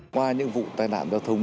qua những vụ tai nạn giao thông